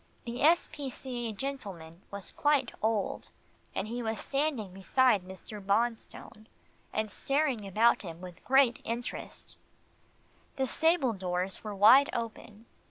The S. P. C. A. gentleman was quite old, and he was standing beside Mr. Bonstone, and staring about him with great interest. The stable doors were wide open.